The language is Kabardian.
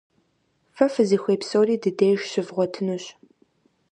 Фэ фызыхуей псори ди деж щывгъуэтынущ.